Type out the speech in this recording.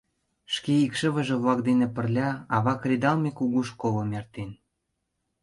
Шке икшывыже-влак дене пырля ава кредалме кугу школым эртен.